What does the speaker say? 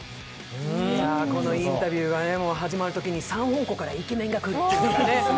このインタビューが始まるときに、３方向からイケメンが来るということでね。